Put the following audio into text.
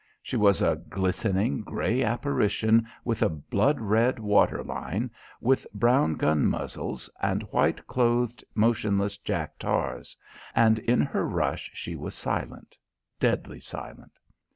She was a glistening grey apparition with a blood red water line, with brown gun muzzles and white clothed motionless jack tars; and in her rush she was silent, deadly silent.